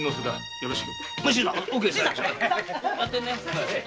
よろしく。